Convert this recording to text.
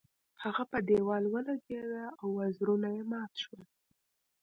هغه په دیوال ولګیده او وزرونه یې مات شول.